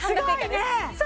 すごいね！